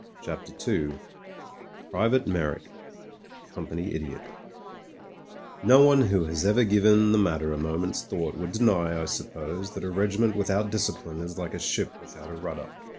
CHAPTER II PRIVATE MEYRICK COMPANY IDIOT NO one who has ever given the matter a moment's thought would deny, I suppose, that a regiment without discipline is like a ship without a rudder.